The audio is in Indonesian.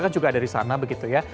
kan juga ada di sana begitu ya